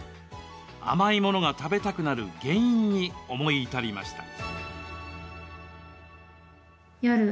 甘いものが食べたくなる原因に思い至りました。